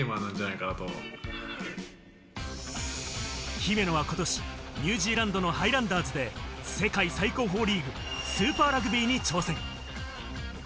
姫野は今年、ニュージーランドのハイランダーズで世界最高峰リーグ、スーパーラグビーに挑戦。